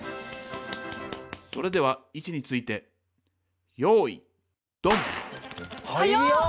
それでは位置についてはやっ！